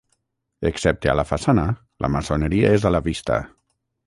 Excepte a la façana, la maçoneria és a la vista.